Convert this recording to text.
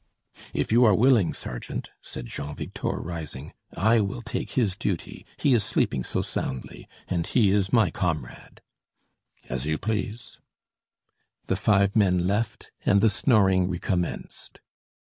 "If you are willing, sergeant," said Jean Victor rising, "I will take his duty, he is sleeping so soundly and he is my comrade." "As you please." The five men left, and the snoring recommenced.